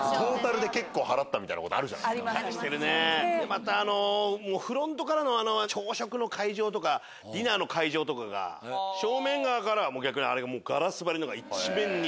またあのフロントからの朝食の会場とかディナーの会場とかが正面側からは逆にあれがガラス張りのが一面に。